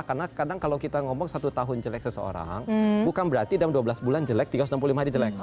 karena kadang kalau kita ngomong satu tahun jelek seseorang bukan berarti dalam dua belas bulan jelek tiga ratus enam puluh lima hari jelek